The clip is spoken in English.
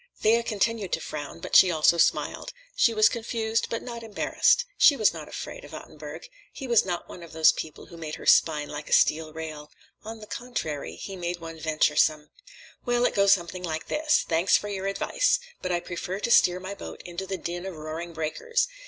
Thea continued to frown, but she also smiled. She was confused, but not embarrassed. She was not afraid of Ottenburg. He was not one of those people who made her spine like a steel rail. On the contrary, he made one venturesome. "Well, it goes something like this: _Thanks for your advice! But I prefer to steer my boat into the din of roaring breakers.